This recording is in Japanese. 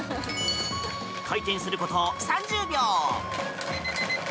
回転すること３０秒。